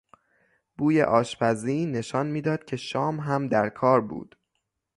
بوی آشپزی نشان میداد که شام هم در کار بود.